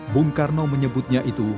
bung karno menyebutnya itu